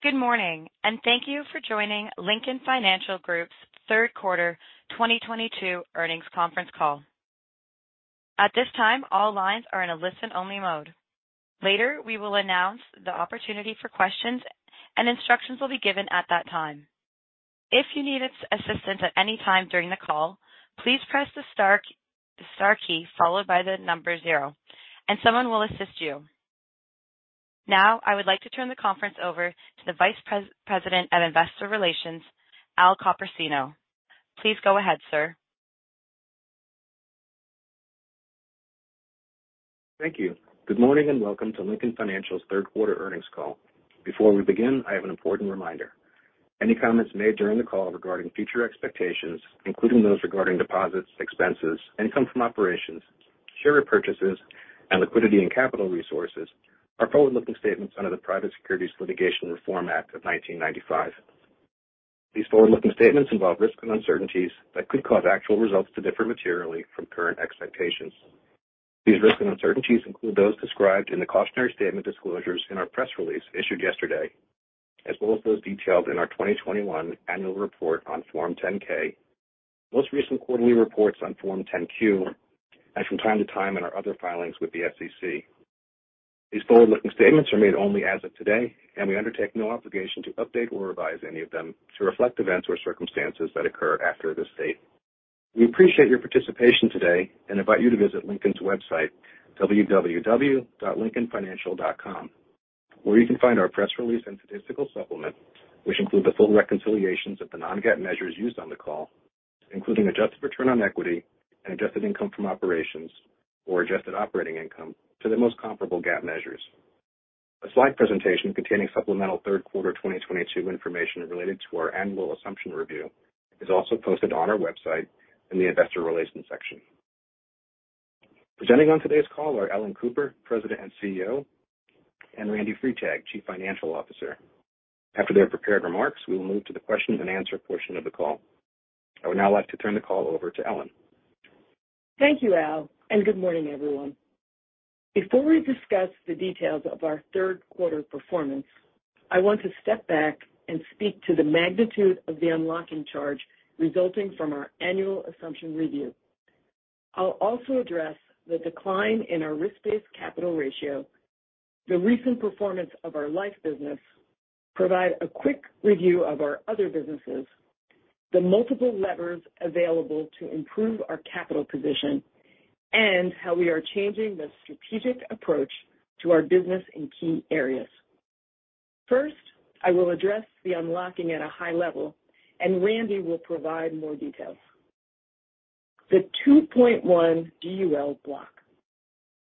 Good morning, and thank you for joining Lincoln Financial Group's third quarter 2022 earnings conference call. At this time, all lines are in a listen-only mode. Later, we will announce the opportunity for questions, and instructions will be given at that time. If you need assistance at any time during the call, please press the star key followed by the number zero, and someone will assist you. Now I would like to turn the conference over to the Vice President of Investor Relations, Al Copersino. Please go ahead, sir. Thank you. Good morning, and welcome to Lincoln Financial's third quarter earnings call. Before we begin, I have an important reminder. Any comments made during the call regarding future expectations, including those regarding deposits, expenses, income from operations, share repurchases, and liquidity and capital resources are forward-looking statements under the Private Securities Litigation Reform Act of 1995. These forward-looking statements involve risks and uncertainties that could cause actual results to differ materially from current expectations. These risks and uncertainties include those described in the cautionary statement disclosures in our press release issued yesterday, as well as those detailed in our 2021 Annual Report on Form 10-K, most recent quarterly reports on Form 10-Q, and from time to time in our other filings with the SEC. These forward-looking statements are made only as of today, and we undertake no obligation to update or revise any of them to reflect events or circumstances that occur after this date. We appreciate your participation today and invite you to visit Lincoln's website, www.lincolnfinancial.com, where you can find our press release and statistical supplement, which include the full reconciliations of the non-GAAP measures used on the call, including adjusted return on equity and adjusted income from operations or adjusted operating income to the most comparable GAAP measures. A slide presentation containing supplemental third quarter 2022 information related to our annual assumption review is also posted on our website in the investor relations section. Presenting on today's call are Ellen Cooper, President and CEO, and Randy Freitag, Chief Financial Officer. After their prepared remarks, we will move to the question-and-answer portion of the call. I would now like to turn the call over to Ellen. Thank you, Al, and good morning, everyone. Before we discuss the details of our third quarter performance, I want to step back and speak to the magnitude of the unlocking charge resulting from our annual assumption review. I'll also address the decline in our risk-based capital ratio, the recent performance of our life business, provide a quick review of our other businesses, the multiple levers available to improve our capital position, and how we are changing the strategic approach to our business in key areas. First, I will address the unlocking at a high level, and Randy will provide more details. The $2.1 bilion GUL block.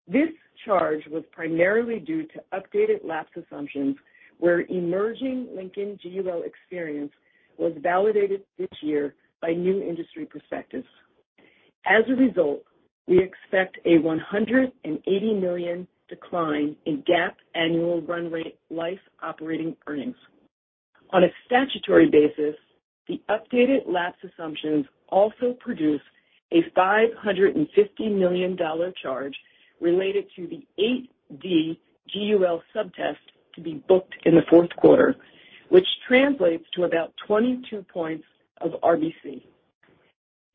This charge was primarily due to updated lapse assumptions where emerging Lincoln GUL experience was validated this year by new industry perspectives. As a result, we expect a $180 million decline in GAAP annual run rate life operating earnings. On a statutory basis, the updated lapse assumptions also produced a $550 million charge related to the 8D GUL sub-test to be booked in the fourth quarter, which translates to about 22 points of RBC.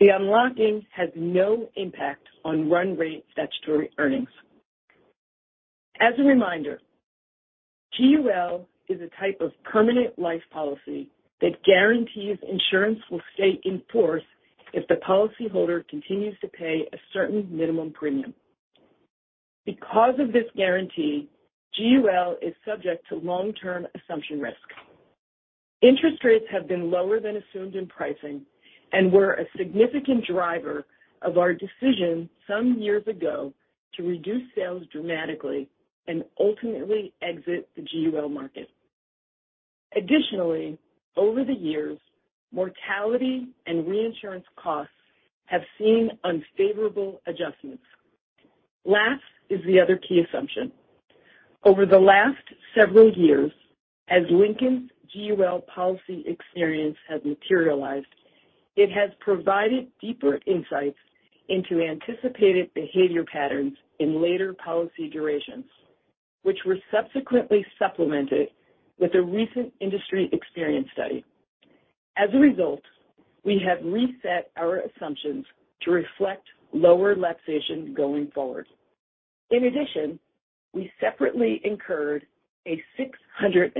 The unlocking has no impact on run rate statutory earnings. As a reminder, GUL is a type of permanent life policy that guarantees insurance will stay in force if the policyholder continues to pay a certain minimum premium. Because of this guarantee, GUL is subject to long-term assumption risk. Interest rates have been lower than assumed in pricing and were a significant driver of our decision some years ago to reduce sales dramatically and ultimately exit the GUL market. Additionally, over the years, mortality and reinsurance costs have seen unfavorable adjustments. Lapse is the other key assumption. Over the last several years, as Lincoln's GUL policy experience has materialized, it has provided deeper insights into anticipated behavior patterns in later policy durations, which were subsequently supplemented with a recent industry experience study. As a result, we have reset our assumptions to reflect lower lapsation going forward. In addition, we separately incurred a $634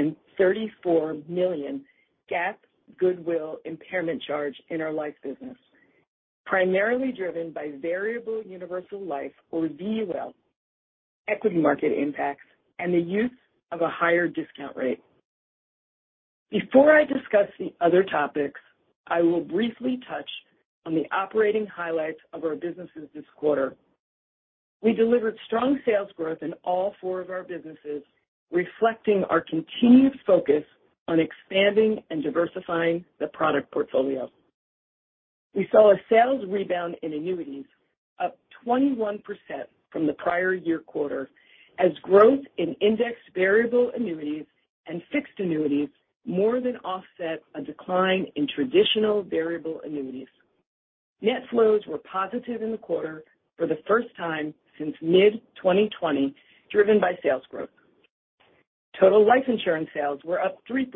million GAAP goodwill impairment charge in our life business, primarily driven by Variable Universal Life, or VUL, equity market impacts and the use of a higher discount rate. Before I discuss the other topics, I will briefly touch on the operating highlights of our businesses this quarter. We delivered strong sales growth in all four of our businesses, reflecting our continued focus on expanding and diversifying the product portfolio. We saw a sales rebound in annuities up 21% from the prior year quarter as growth in index variable annuities and fixed annuities more than offset a decline in traditional variable annuities. Net flows were positive in the quarter for the first time since mid-2020, driven by sales growth. Total life insurance sales were up 3%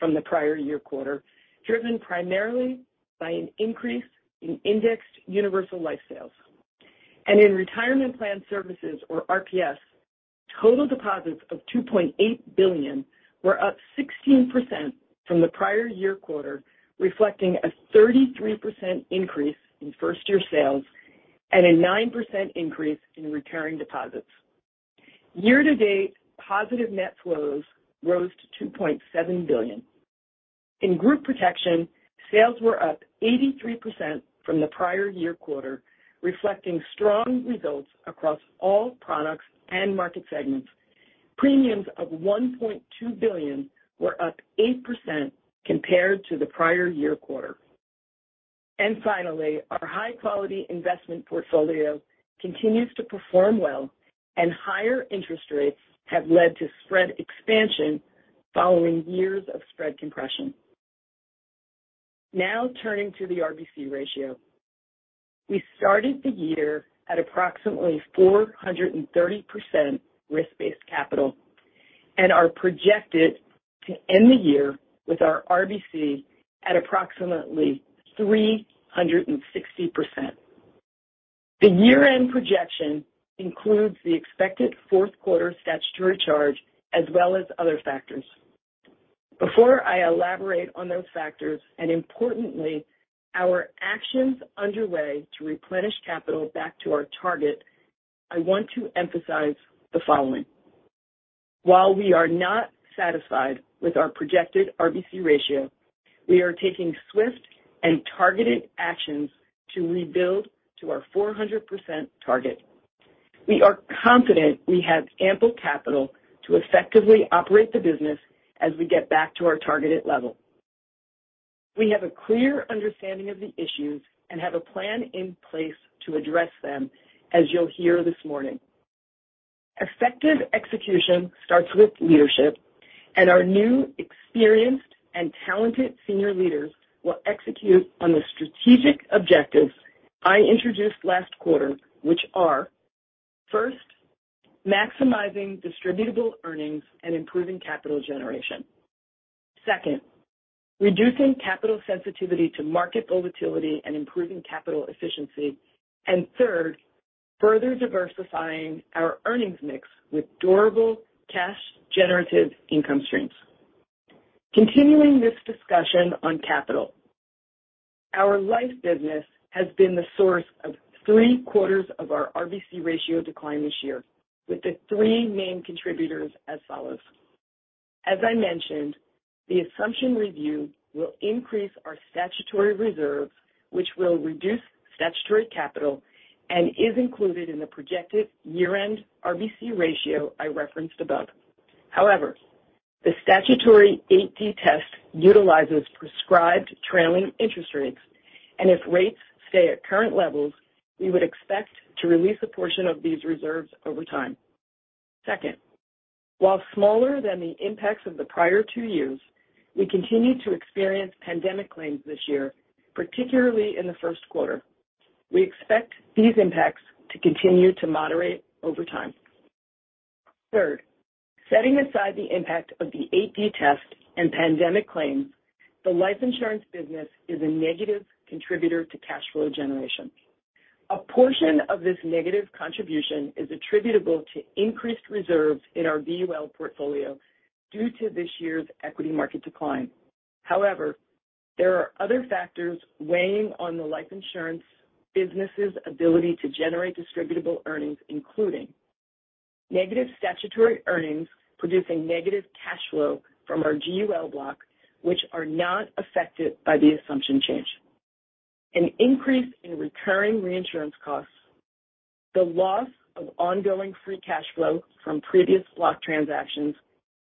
from the prior year quarter, driven primarily by an increase in indexed universal life sales. In Retirement Plan Services, or RPS, total deposits of $2.8 billion were up 16% from the prior year quarter, reflecting a 33% increase in first year sales and a 9% increase in recurring deposits. Year-to-date, positive net flows rose to $2.7 billion. In Group Protection, sales were up 83% from the prior year quarter, reflecting strong results across all products and market segments. Premiums of $1.2 billion were up 8% compared to the prior year quarter. Finally, our high-quality investment portfolio continues to perform well, and higher interest rates have led to spread expansion following years of spread compression. Now turning to the RBC ratio. We started the year at approximately 430% risk-based capital and are projected to end the year with our RBC at approximately 360%. The year-end projection includes the expected fourth quarter statutory charge as well as other factors. Before I elaborate on those factors, and importantly, our actions underway to replenish capital back to our target, I want to emphasize the following. While we are not satisfied with our projected RBC ratio, we are taking swift and targeted actions to rebuild to our 400% target. We are confident we have ample capital to effectively operate the business as we get back to our targeted level. We have a clear understanding of the issues and have a plan in place to address them, as you'll hear this morning. Effective execution starts with leadership and our new, experienced, and talented senior leaders will execute on the strategic objectives I introduced last quarter, which are, first, maximizing distributable earnings and improving capital generation. Second, reducing capital sensitivity to market volatility and improving capital efficiency. Third, further diversifying our earnings mix with durable cash generative income streams. Continuing this discussion on capital. Our life business has been the source of three-quarters of our RBC ratio decline this year, with the three main contributors as follows. As I mentioned, the assumption review will increase our statutory reserve, which will reduce statutory capital and is included in the projected year-end RBC ratio I referenced above. However, the statutory 8D test utilizes prescribed trailing interest rates, and if rates stay at current levels, we would expect to release a portion of these reserves over time. Second, while smaller than the impacts of the prior two years, we continue to experience pandemic claims this year, particularly in the first quarter. We expect these impacts to continue to moderate over time. Third, setting aside the impact of the 8D test and pandemic claims, the life insurance business is a negative contributor to cash flow generation. A portion of this negative contribution is attributable to increased reserves in our VUL portfolio due to this year's equity market decline. However, there are other factors weighing on the life insurance business' ability to generate distributable earnings, including negative statutory earnings producing negative cash flow from our GUL block, which are not affected by the assumption change. An increase in recurring reinsurance costs, the loss of ongoing free cash flow from previous block transactions,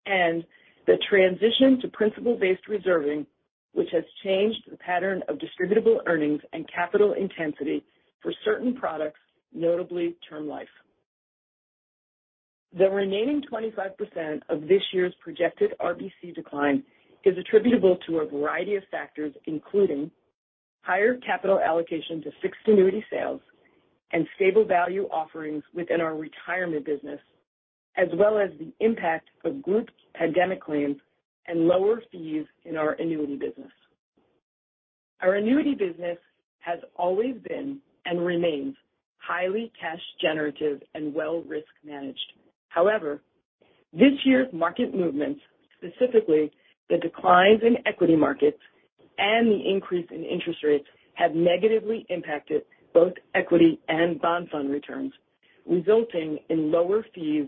and the transition to principal-based reserving, which has changed the pattern of distributable earnings and capital intensity for certain products, notably term life. The remaining 25% of this year's projected RBC decline is attributable to a variety of factors, including higher capital allocation to fixed annuity sales and stable value offerings within our Retirement business, as well as the impact of group pandemic claims and lower fees in our Annuity business. Our Annuity business has always been and remains highly cash generative and well risk managed. However, this year's market movements, specifically the declines in equity markets and the increase in interest rates, have negatively impacted both equity and bond fund returns, resulting in lower fees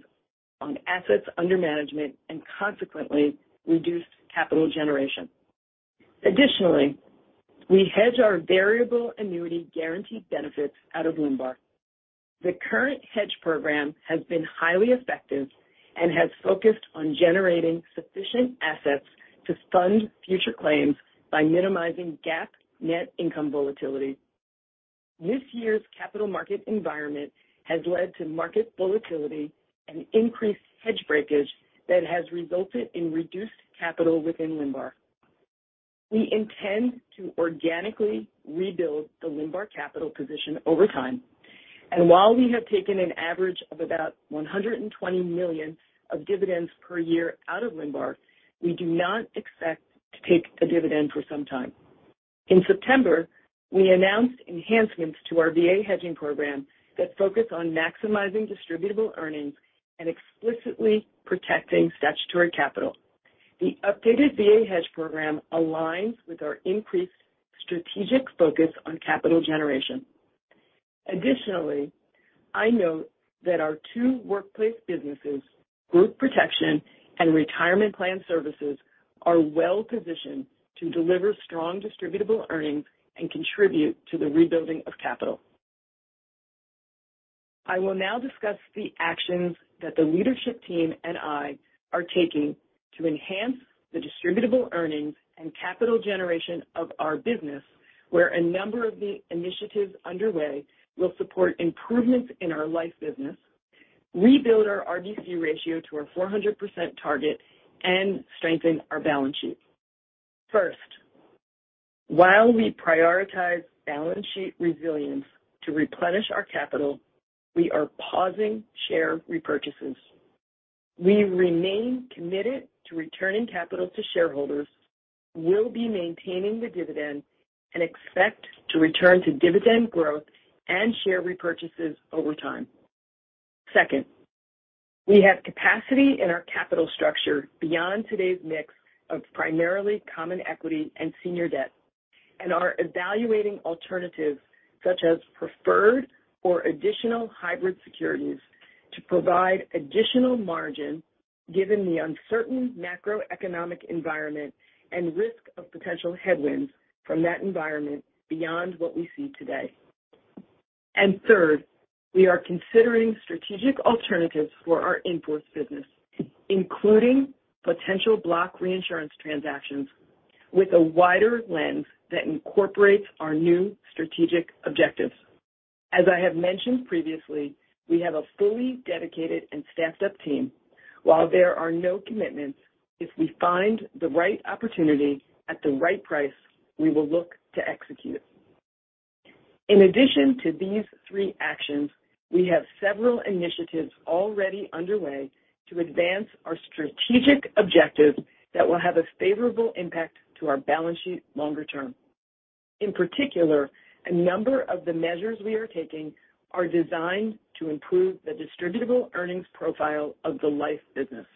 on assets under management and consequently reduced capital generation. Additionally, we hedge our variable annuity guaranteed benefits out of the money. The current hedge program has been highly effective and has focused on generating sufficient assets to fund future claims by minimizing GAAP net income volatility. This year's capital market environment has led to market volatility and increased hedge breakage that has resulted in reduced capital within LNBAR. We intend to organically rebuild the LNBAR capital position over time. While we have taken an average of about $120 million of dividends per year out of LNBAR, we do not expect to take a dividend for some time. In September, we announced enhancements to our VA hedging program that focus on maximizing distributable earnings and explicitly protecting statutory capital. The updated VA hedge program aligns with our increased strategic focus on capital generation. Additionally, I note that our two workplace businesses, Group Protection and Retirement Plan Services, are well-positioned to deliver strong distributable earnings and contribute to the rebuilding of capital. I will now discuss the actions that the leadership team and I are taking to enhance the distributable earnings and capital generation of our business, where a number of the initiatives underway will support improvements in our life business, rebuild our RBC ratio to our 400% target, and strengthen our balance sheet. First, while we prioritize balance sheet resilience to replenish our capital, we are pausing share repurchases. We remain committed to returning capital to shareholders, will be maintaining the dividend, and expect to return to dividend growth and share repurchases over time. Second, we have capacity in our capital structure beyond today's mix of primarily common equity and senior debt, and are evaluating alternatives such as preferred or additional hybrid securities to provide additional margin given the uncertain macroeconomic environment and risk of potential headwinds from that environment beyond what we see today. Third, we are considering strategic alternatives for our in-force business, including potential block reinsurance transactions with a wider lens that incorporates our new strategic objectives. As I have mentioned previously, we have a fully dedicated and staffed up team. While there are no commitments, if we find the right opportunity at the right price, we will look to execute. In addition to these three actions, we have several initiatives already underway to advance our strategic objectives that will have a favorable impact to our balance sheet longer term. In particular, a number of the measures we are taking are designed to improve the distributable earnings profile of the life business.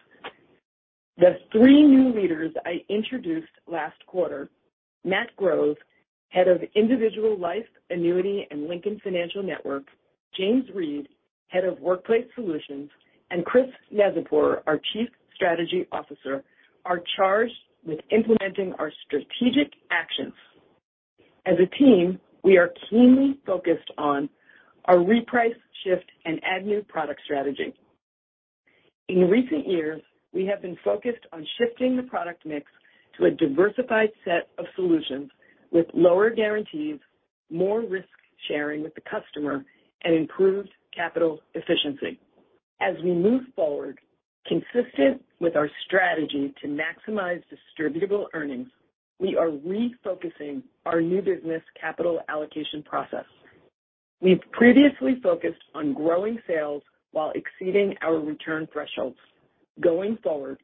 The three new leaders I introduced last quarter, Matt Grove, Head of Individual Life, Annuity, and Lincoln Financial Network, James Reid, Head of Workplace Solutions, and Chris Neczypor, our Chief Strategy Officer, are charged with implementing our strategic actions. As a team, we are keenly focused on our reprice, shift, and add new product strategy. In recent years, we have been focused on shifting the product mix to a diversified set of solutions with lower guarantees, more risk sharing with the customer, and improved capital efficiency. As we move forward, consistent with our strategy to maximize distributable earnings, we are refocusing our new business capital allocation process. We've previously focused on growing sales while exceeding our return thresholds. Going forward,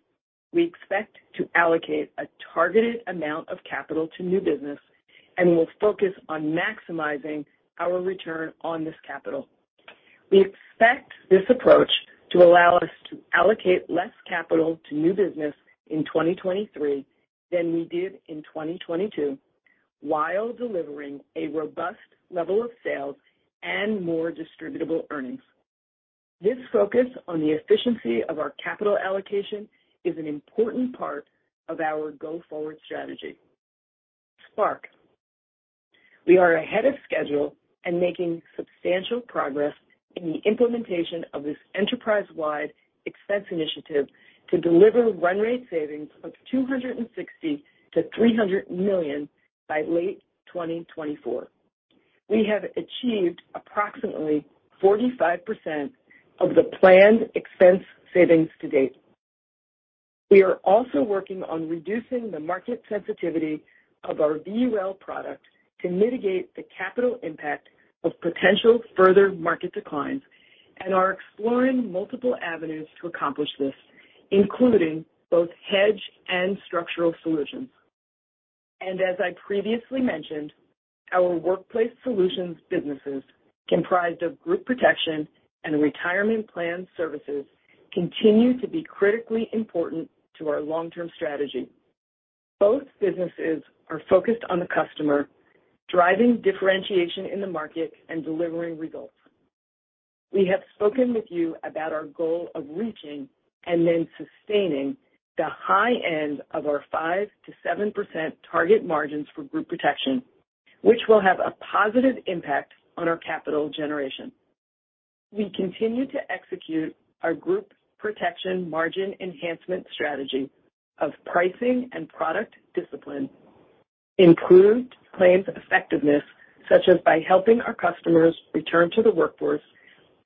we expect to allocate a targeted amount of capital to new business and will focus on maximizing our return on this capital. We expect this approach to allow us to allocate less capital to new business in 2023 than we did in 2022 while delivering a robust level of sales and more distributable earnings. This focus on the efficiency of our capital allocation is an important part of our go-forward strategy. Spark. We are ahead of schedule and making substantial progress in the implementation of this enterprise-wide expense initiative to deliver run rate savings of $260 million-$300 million by late 2024. We have achieved approximately 45% of the planned expense savings to date. We are also working on reducing the market sensitivity of our VUL product to mitigate the capital impact of potential further market declines and are exploring multiple avenues to accomplish this, including both hedge and structural solutions. As I previously mentioned, our Workplace Solutions businesses comprised of Group Protection and Retirement Plan Services continue to be critically important to our long-term strategy. Both businesses are focused on the customer, driving differentiation in the market and delivering results. We have spoken with you about our goal of reaching and then sustaining the high end of our 5%-7% target margins for Group Protection, which will have a positive impact on our capital generation. We continue to execute our Group Protection margin enhancement strategy of pricing and product discipline, improved claims effectiveness, such as by helping our customers return to the workforce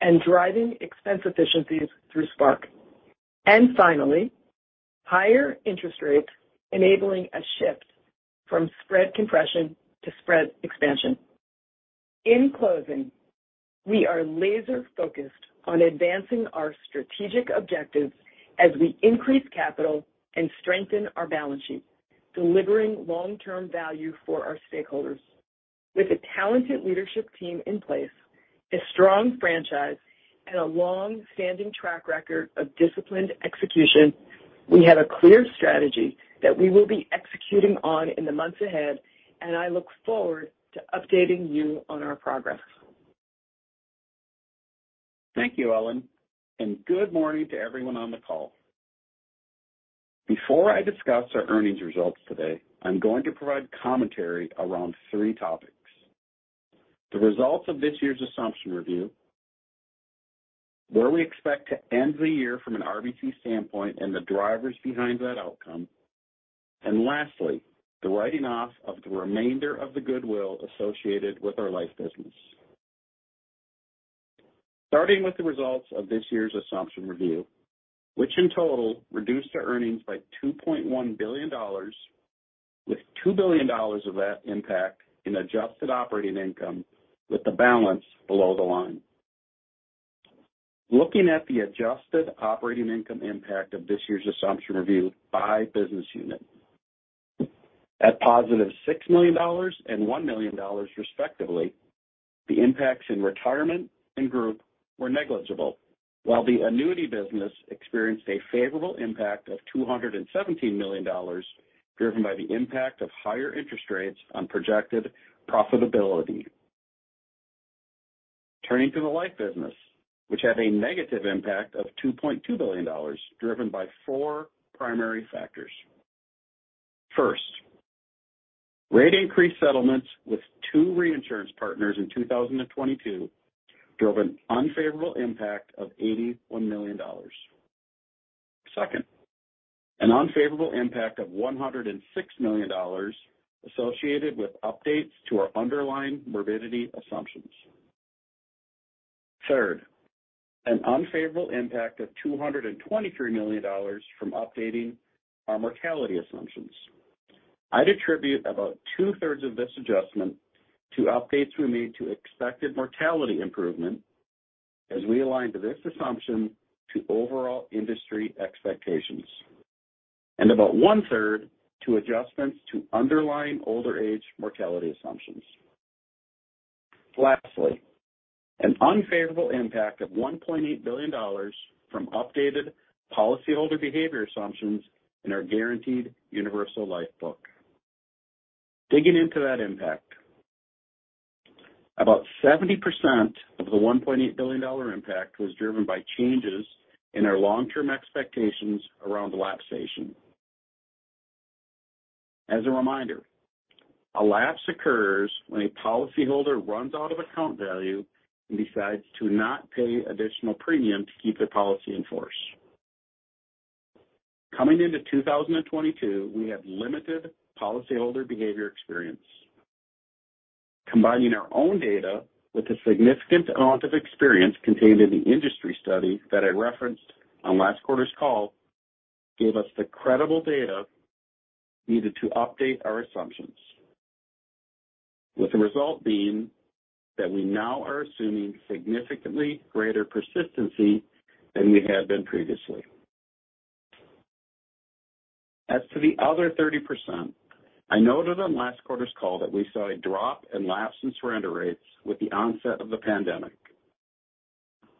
and driving expense efficiencies through Spark. Finally, higher interest rates enabling a shift from spread compression to spread expansion. In closing, we are laser-focused on advancing our strategic objectives as we increase capital and strengthen our balance sheet, delivering long-term value for our stakeholders. With a talented leadership team in place, a strong franchise, and a long-standing track record of disciplined execution, we have a clear strategy that we will be executing on in the months ahead, and I look forward to updating you on our progress. Thank you, Ellen, and good morning to everyone on the call. Before I discuss our earnings results today, I'm going to provide commentary around three topics. The results of this year's assumption review, where we expect to end the year from an RBC standpoint and the drivers behind that outcome, and lastly, the writing off of the remainder of the goodwill associated with our life business. Starting with the results of this year's assumption review, which in total reduced our earnings by $2.1 billion, with $2 billion of that impact in adjusted operating income with the balance below the line. Looking at the adjusted operating income impact of this year's assumption review by business unit. At +$6 million and $1 million respectively, the impacts in Retirement and Group were negligible, while the Annuity business experienced a favorable impact of $217 million, driven by the impact of higher interest rates on projected profitability. Turning to the life business, which had a negative impact of $2.2 billion, driven by four primary factors. First, rate increase settlements with two reinsurance partners in 2022 drove an unfavorable impact of $81 million. Second, an unfavorable impact of $106 million associated with updates to our underlying morbidity assumptions. Third, an unfavorable impact of $223 million from updating our mortality assumptions. I'd attribute about 2/3 of this adjustment to updates we made to expected mortality improvement as we align to this assumption to overall industry expectations, and about one-third to adjustments to underlying older age mortality assumptions. Lastly, an unfavorable impact of $1.8 billion from updated policyholder behavior assumptions in our Guaranteed Universal Life book. Digging into that impact, about 70% of the $1.8 billion impact was driven by changes in our long-term expectations around lapsation. As a reminder, a lapse occurs when a policyholder runs out of account value and decides to not pay additional premium to keep their policy in force. Coming into 2022, we have limited policyholder behavior experience. Combining our own data with the significant amount of experience contained in the industry study that I referenced on last quarter's call gave us the credible data needed to update our assumptions, with the result being that we now are assuming significantly greater persistency than we had been previously. As to the other 30%, I noted on last quarter's call that we saw a drop in lapse and surrender rates with the onset of the pandemic.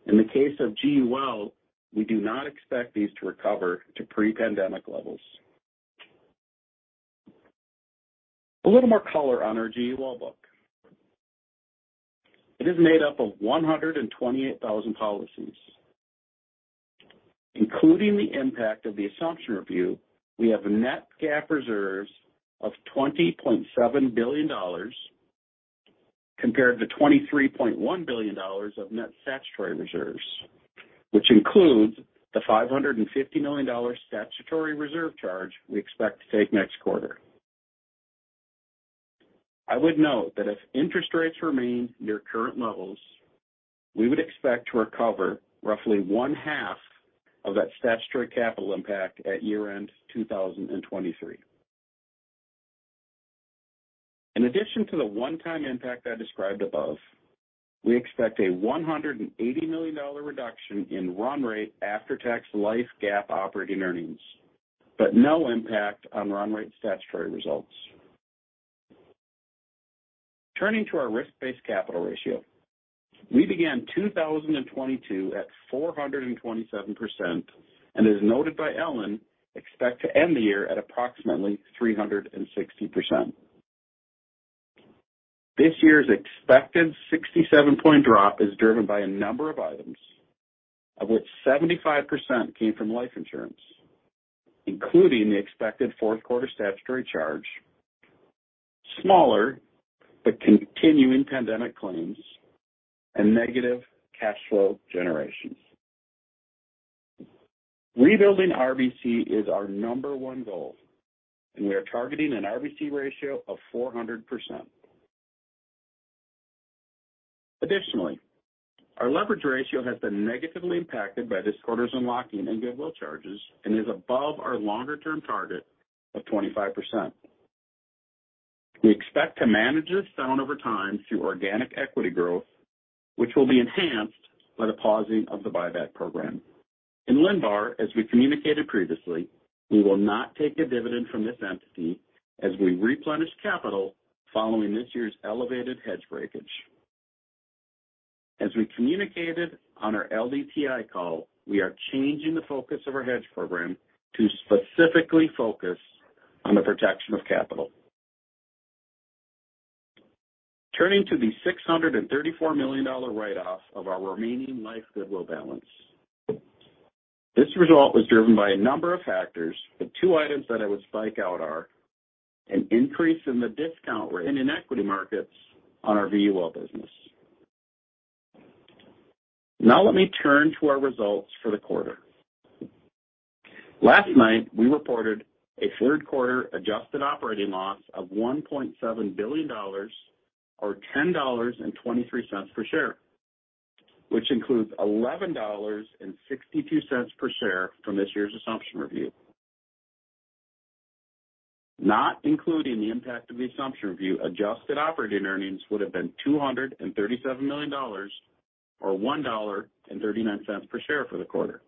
In the case of GUL, we do not expect these to recover to pre-pandemic levels. A little more color on our GUL book. It is made up of 128,000 policies. Including the impact of the assumption review, we have net GAAP reserves of $20.7 billion compared to $23.1 billion of net statutory reserves, which includes the $550 million statutory reserve charge we expect to take next quarter. I would note that if interest rates remain near current levels, we would expect to recover roughly one-half of that statutory capital impact at year-end 2023. In addition to the one-time impact I described above, we expect a $180 million reduction in run rate after-tax life GAAP operating earnings, but no impact on run rate statutory results. Turning to our risk-based capital ratio, we began 2022 at 427%, and as noted by Ellen, expect to end the year at approximately 360%. This year's expected 67-point drop is driven by a number of items, of which 75% came from life insurance, including the expected fourth quarter statutory charge, smaller but continuing pandemic claims and negative cash flow generation. Rebuilding RBC is our number one goal, and we are targeting an RBC ratio of 400%. Additionally, our leverage ratio has been negatively impacted by this quarter's unlocking and goodwill charges and is above our longer-term target of 25%. We expect to manage this down over time through organic equity growth, which will be enhanced by the pausing of the buyback program. In LNBAR, as we communicated previously, we will not take a dividend from this entity as we replenish capital following this year's elevated hedge breakage. As we communicated on our LDTI call, we are changing the focus of our hedge program to specifically focus on the protection of capital. Turning to the $634 million write-off of our remaining life goodwill balance. This result was driven by a number of factors, but two items that I would call out are an increase in the discount rate and in equity markets on our VUL business. Now let me turn to our results for the quarter. Last night, we reported a third quarter adjusted operating loss of $1.7 billion or $10.23 per share, which includes $11.62 per share from this year's assumption review. Not including the impact of the assumption review, adjusted operating earnings would have been $237 million, or $1.39 per share for the quarter.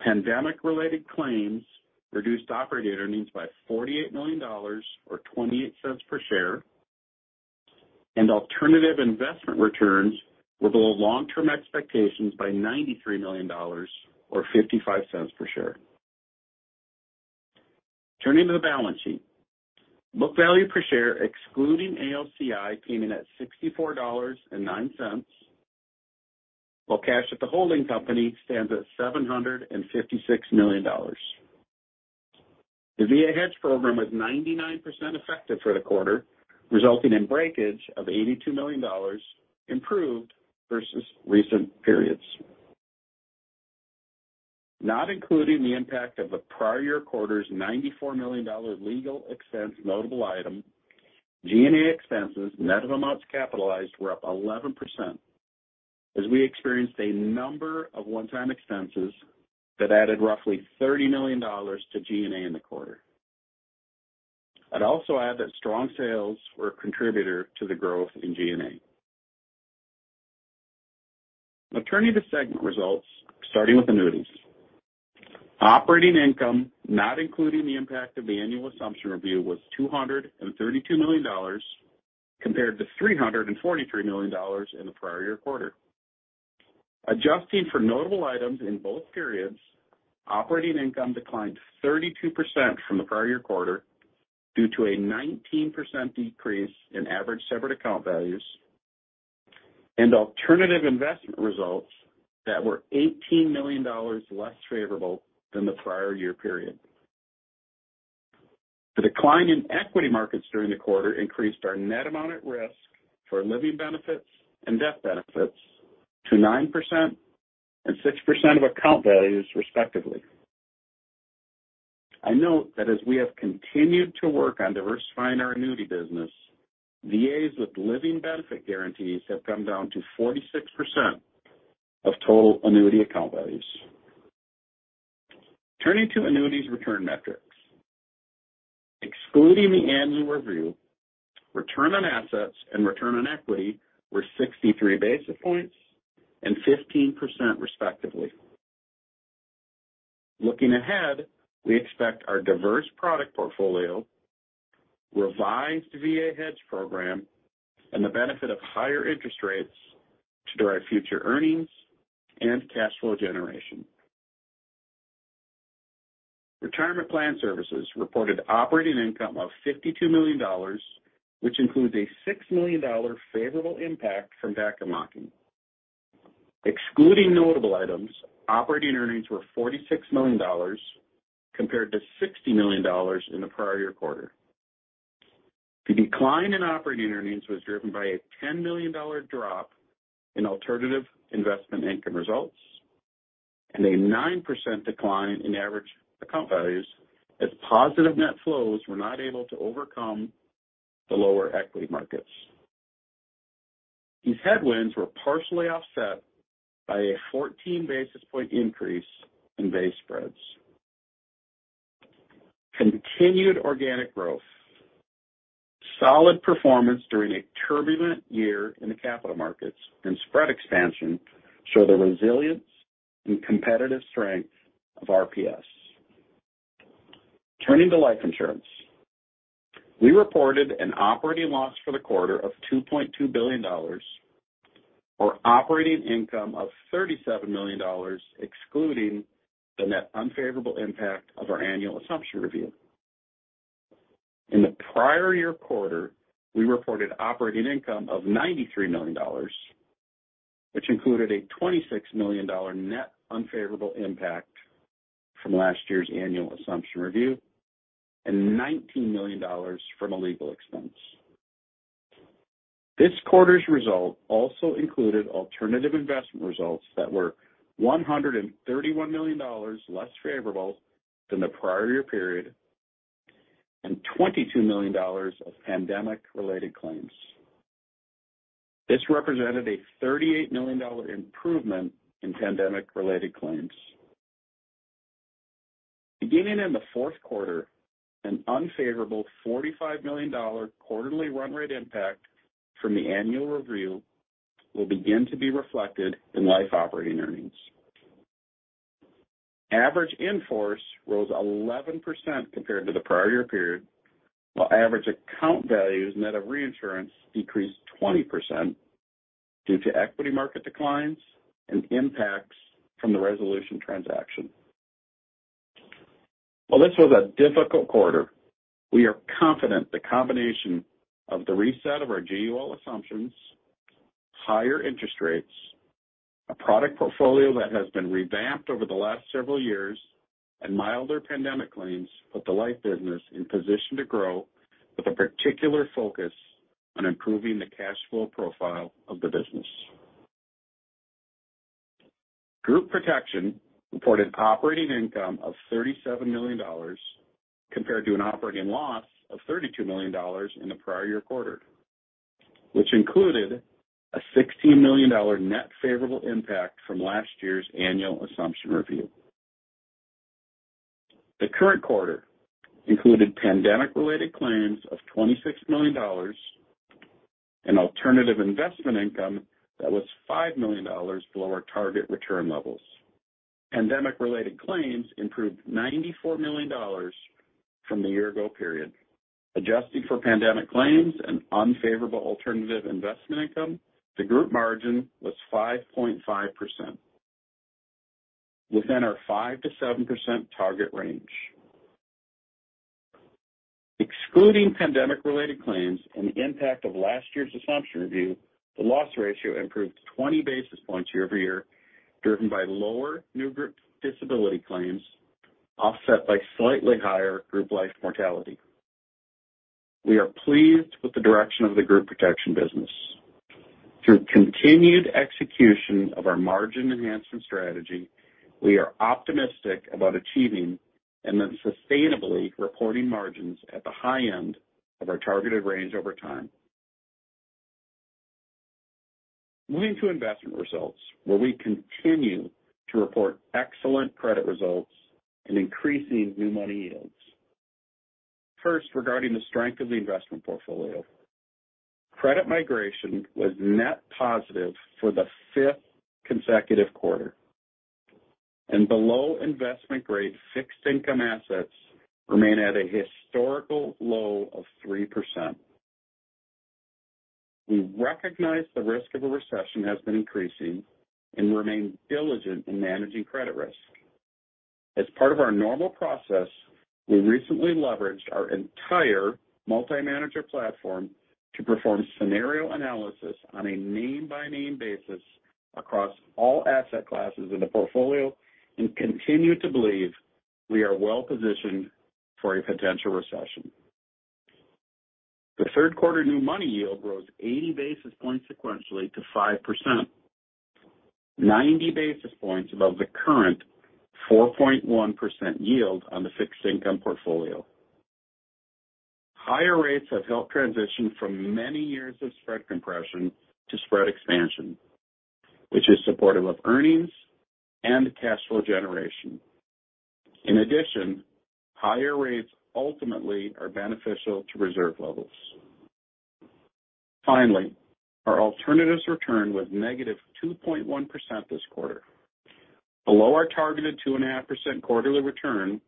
Pandemic-related claims reduced operating earnings by $48 million or $0.28 per share, and alternative investment returns were below long-term expectations by $93 million or $0.55 per share. Turning to the balance sheet. Book value per share, excluding ALCI, came in at $64.09, while cash at the holding company stands at $756 million. The VA hedge program was 99% effective for the quarter, resulting in breakage of $82 million improved versus recent periods. Not including the impact of the prior year quarter's $94 million legal expense notable item, G&A expenses, net of amounts capitalized were up 11% as we experienced a number of one-time expenses that added roughly $30 million to G&A in the quarter. I'd also add that strong sales were a contributor to the growth in G&A. Now turning to segment results, starting with annuities. Operating income, not including the impact of the annual assumption review, was $232 million compared to $343 million in the prior year quarter. Adjusting for notable items in both periods, operating income declined 32% from the prior year quarter due to a 19% decrease in average separate account values and alternative investment results that were $18 million less favorable than the prior year period. The decline in equity markets during the quarter increased our net amount at risk for living benefits and death benefits to 9% and 6% of account values, respectively. I note that as we have continued to work on diversifying our Annuity business, VAs with living benefit guarantees have come down to 46% of total Annuity account values. Turning to annuities return metrics. Excluding the annual review, return on assets and return on equity were 63 basis points and 15%, respectively. Looking ahead, we expect our diverse product portfolio, revised VA hedge program, and the benefit of higher interest rates to drive future earnings and cash flow generation. Retirement Plan Services reported operating income of $52 million, which includes a $6 million favorable impact from VA marking. Excluding notable items, operating earnings were $46 million compared to $60 million in the prior year quarter. The decline in operating earnings was driven by a $10 million drop in alternative investment income results and a 9% decline in average account values as positive net flows were not able to overcome the lower equity markets. These headwinds were partially offset by a 14 basis points increase in base spreads. Continued organic growth, solid performance during a turbulent year in the capital markets and spread expansion show the resilience and competitive strength of RPS. Turning to life insurance. We reported an operating loss for the quarter of $2.2 billion, or operating income of $37 million, excluding the net unfavorable impact of our annual assumption review. In the prior year quarter, we reported operating income of $93 million, which included a $26 million net unfavorable impact from last year's annual assumption review and $19 million from a legal expense. This quarter's result also included alternative investment results that were $131 million less favorable than the prior year period and $22 million of pandemic-related claims. This represented a $38 million improvement in pandemic-related claims. Beginning in the fourth quarter, an unfavorable $45 million quarterly run rate impact from the annual review will begin to be reflected in life operating earnings. Average in-force rose 11% compared to the prior year period, while average account values net of reinsurance decreased 20% due to equity market declines and impacts from the Resolution Life transaction. While this was a difficult quarter, we are confident the combination of the reset of our GUL assumptions, higher interest rates, a product portfolio that has been revamped over the last several years, and milder pandemic claims put the life business in position to grow with a particular focus on improving the cash flow profile of the business. Group Protection reported operating income of $37 million compared to an operating loss of $32 million in the prior year quarter, which included a $16 million net favorable impact from last year's annual assumption review. The current quarter included pandemic-related claims of $26 million and alternative investment income that was $5 million below our target return levels. Pandemic-related claims improved $94 million from the year ago period. Adjusting for pandemic claims and unfavorable alternative investment income, the Group margin was 5.5%, within our 5%-7% target range. Excluding pandemic-related claims and the impact of last year's assumption review, the loss ratio improved 20 basis points year-over-year, driven by lower new group disability claims offset by slightly higher group life mortality. We are pleased with the direction of the Group Protection business. Through continued execution of our margin enhancement strategy, we are optimistic about achieving and then sustainably reporting margins at the high end of our targeted range over time. Moving to investment results, where we continue to report excellent credit results and increasing new money yields. First, regarding the strength of the investment portfolio. Credit migration was net positive for the fifth consecutive quarter, and below investment-grade fixed income assets remain at a historical low of 3%. We recognize the risk of a recession has been increasing and remain diligent in managing credit risk. As part of our normal process, we recently leveraged our entire multi-manager platform to perform scenario analysis on a name-by-name basis across all asset classes in the portfolio and continue to believe we are well positioned for a potential recession. The third quarter new money yield rose 80 basis points sequentially to 5%, 90 basis points above the current 4.1% yield on the fixed income portfolio. Higher rates have helped transition from many years of spread compression to spread expansion, which is supportive of earnings and cash flow generation. In addition, higher rates ultimately are beneficial to reserve levels. Finally, our alternatives return was -2.1% this quarter. Below our targeted 2.5% quarterly return,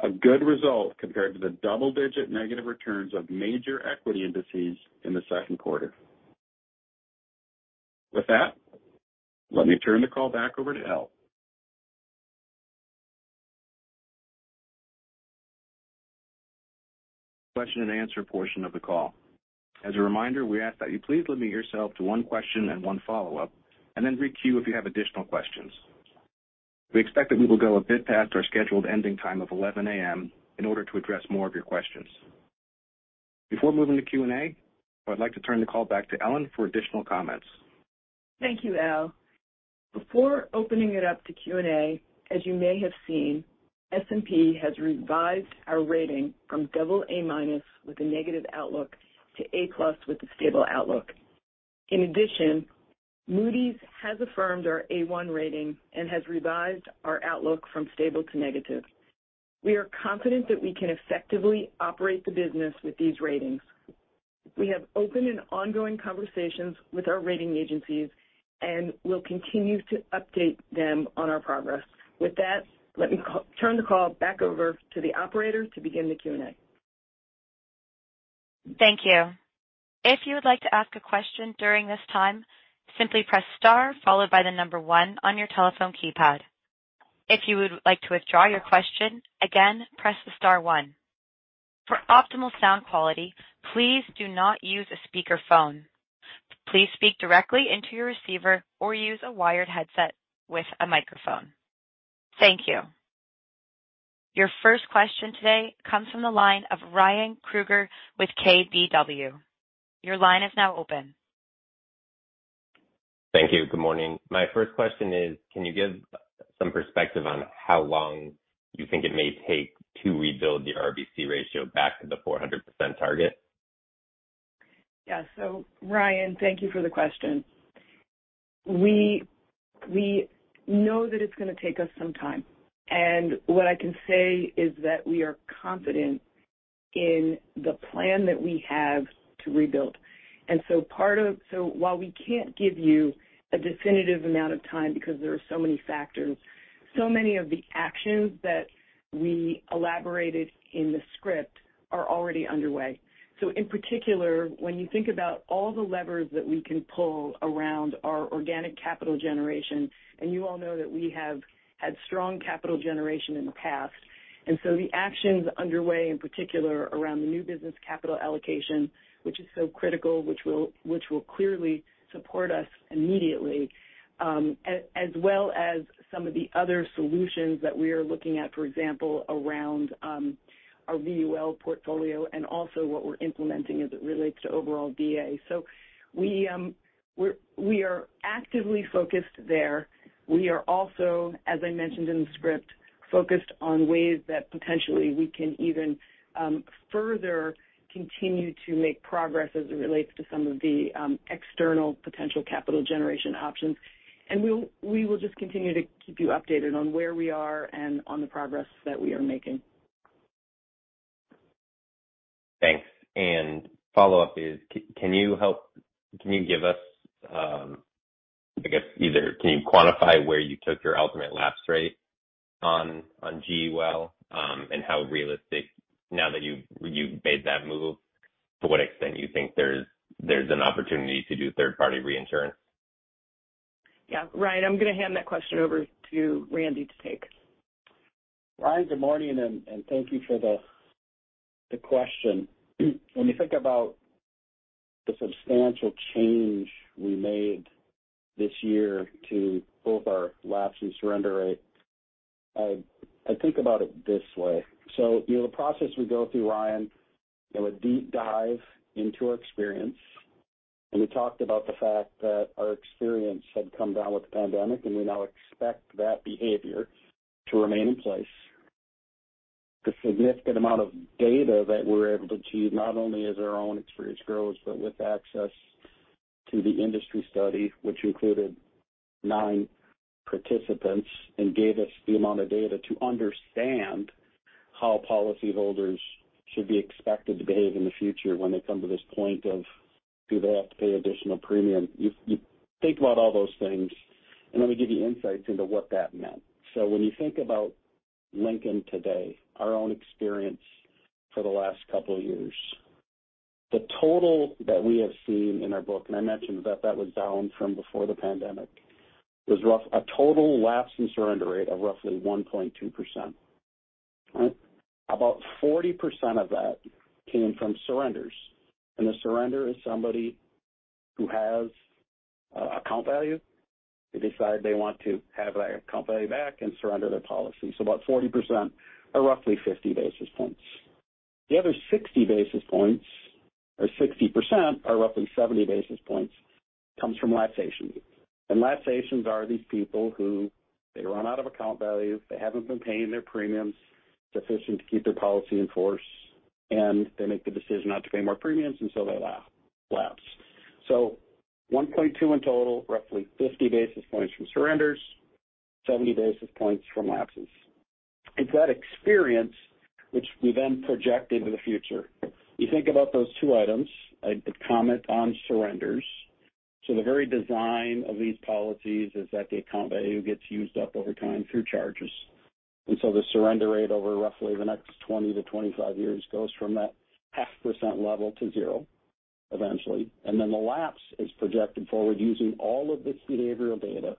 a good result compared to the double-digit negative returns of major equity indices in the second quarter. With that, let me turn the call back over to Al. Question and answer portion of the call. As a reminder, we ask that you please limit yourself to one question and one follow-up, and then re-queue if you have additional questions. We expect that we will go a bit past our scheduled ending time of 11:00 A.M. in order to address more of your questions. Before moving to Q&A, I'd like to turn the call back to Ellen for additional comments. Thank you, Al. Before opening it up to Q&A, as you may have seen, S&P has revised our rating from AA- with a negative outlook to A+ with a stable outlook. In addition, Moody's has affirmed our A1 rating and has revised our outlook from stable to negative. We are confident that we can effectively operate the business with these ratings. We have open and ongoing conversations with our rating agencies, and we'll continue to update them on our progress. With that, let me turn the call back over to the operator to begin the Q&A. Thank you. If you would like to ask a question during this time, simply press star followed by the number one on your telephone keypad. If you would like to withdraw your question, again, press the star one. For optimal sound quality, please do not use a speakerphone. Please speak directly into your receiver or use a wired headset with a microphone. Thank you. Your first question today comes from the line of Ryan Krueger with KBW. Your line is now open. Thank you. Good morning. My first question is, can you give some perspective on how long you think it may take to rebuild the RBC ratio back to the 400% target? Yeah. Ryan, thank you for the question. We know that it's gonna take us some time, and what I can say is that we are confident in the plan that we have to rebuild. While we can't give you a definitive amount of time because there are so many factors, so many of the actions that we elaborated in the script are already underway. In particular, when you think about all the levers that we can pull around our organic capital generation, and you all know that we have had strong capital generation in the past. The actions underway, in particular around the new business capital allocation, which is so critical, which will clearly support us immediately, as well as some of the other solutions that we are looking at, for example, around our VUL portfolio and also what we're implementing as it relates to overall G&A. We are actively focused there. We are also, as I mentioned in the script, focused on ways that potentially we can even further continue to make progress as it relates to some of the external potential capital generation options. We will just continue to keep you updated on where we are and on the progress that we are making. Thanks. Follow-up is, can you give us, I guess, either can you quantify where you took your ultimate lapse rate on GUL, and how realistic now that you've made that move, to what extent you think there's an opportunity to do third-party reinsurance? Yeah. Ryan, I'm gonna hand that question over to Randy to take. Ryan, good morning, and thank you for the question. When you think about the substantial change we made this year to both our lapse and surrender rate, I think about it this way. The process we go through, Ryan, in a deep dive into our experience, and we talked about the fact that our experience had come down with the pandemic, and we now expect that behavior to remain in place. The significant amount of data that we're able to achieve, not only as our own experience grows, but with access to the industry study, which included nine participants and gave us the amount of data to understand how policyholders should be expected to behave in the future when they come to this point of, do they have to pay additional premium? You think about all those things, and let me give you insights into what that meant. When you think about Lincoln today, our own experience for the last couple of years, the total that we have seen in our book, and I mentioned that that was down from before the pandemic, was roughly a total lapse and surrender rate of roughly 1.2%. About 40% of that came from surrenders. A surrender is somebody who has account value. They decide they want to have that account value back and surrender their policy. About 40% or roughly 50 basis points. The other 60 basis points or 60% or roughly 70 basis points comes from lapses. Lapsations are these people who they run out of account value, they haven't been paying their premiums sufficient to keep their policy in force, and they make the decision not to pay more premiums, and so they lapse. 1.2 in total, roughly 50 basis points from surrenders, 70 basis points from lapses. It's that experience which we then project into the future. You think about those two items, I could comment on surrenders. The very design of these policies is that the account value gets used up over time through charges. The surrender rate over roughly the next 20-25 years goes from that 0.5% level to zero eventually. The lapse is projected forward using all of this behavioral data,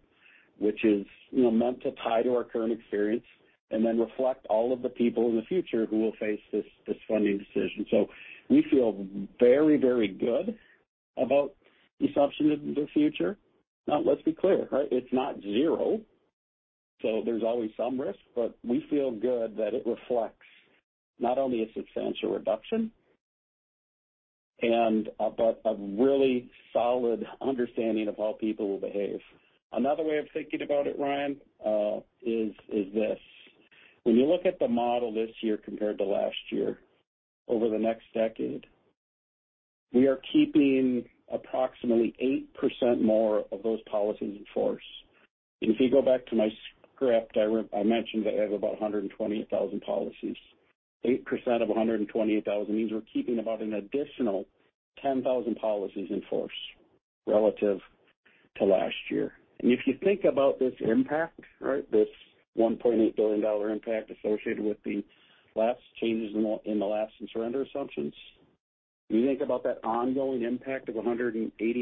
which is, you know, meant to tie to our current experience and then reflect all of the people in the future who will face this funding decision. We feel very, very good about the assumption of the future. Now, let's be clear, right? It's not zero, so there's always some risk, but we feel good that it reflects not only a substantial reduction, but a really solid understanding of how people will behave. Another way of thinking about it, Ryan, is this: When you look at the model this year compared to last year, over the next decade, we are keeping approximately 8% more of those policies in force. If you go back to my script, I mentioned that I have about 128,000 policies. 8% of 128,000 means we're keeping about an additional 10,000 policies in force relative to last year. If you think about this impact, right, this $1.8 billion impact associated with the lapse changes in the, in the lapse and surrender assumptions, when you think about that ongoing impact of $180